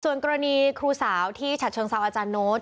ส่วนกรณีครูสาวที่ฉัดเชิงเซาอาจารย์โน้ต